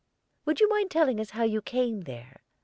"Would you mind telling us how you came there?"